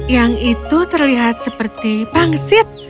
yang itu terlihat seperti pangsit